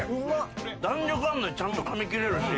弾力あんのにちゃんとかみ切れるし。